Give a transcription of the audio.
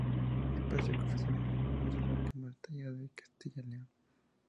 Espacio que ofrece la información meteorológica más detallada de Castilla y León.